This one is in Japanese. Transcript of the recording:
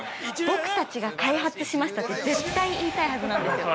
僕たちが開発しましたって絶対に言いたいはずなんですよ。